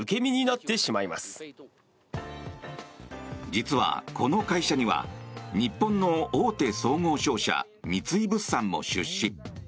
実は、この会社には日本の大手総合商社、三井物産も出資。